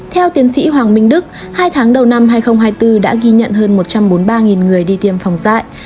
theo tiến sĩ hoàng minh đức hai tháng đầu năm hai nghìn hai mươi bốn đã ghi nhận hơn một trăm bốn mươi ba người đi tiêm phòng dạy